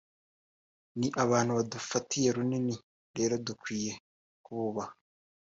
ni abantu badufatiye runini rero dukwiye kububaha